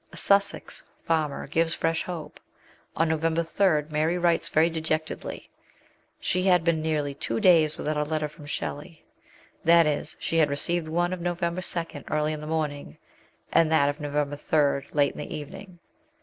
A Sussex farmer gives fresh hope. On November 3 Mary writes very dejectedly. She had been nearly two days without a letter from Shelley, that is, she had received one of November 2 early in the morning, and that of November 3 late in the evening.